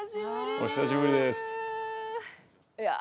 お久しぶりです。